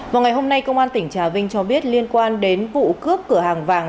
vào ngày hôm nay công an tỉnh trà vinh cho biết liên quan đến vụ cướp cửa hàng vàng